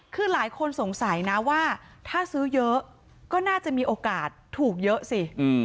คือหลายคนสงสัยนะว่าถ้าซื้อเยอะก็น่าจะมีโอกาสถูกเยอะสิ